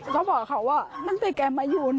เขาก็บอกว่าตั้งแต่แกมาอยู่